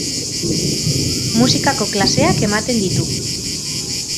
Musikako klaseak ematen ditu.